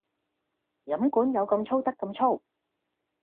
飲管有咁粗得咁粗